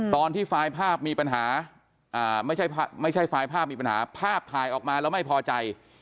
ตอนที่ไฟล์ภาพมีปัญหาไม่ใช่ไฟล์ภาพมีปัญหาภาพถ่ายออกมาแล้วไม่พอใจ